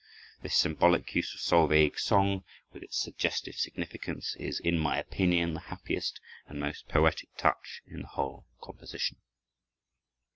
This symbolic use of Solveig's song, with its suggestive significance, is in my opinion the happiest and most poetic touch in the whole composition.